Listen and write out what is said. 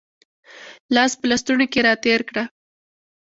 لاس په لستوڼي کې را تېر کړه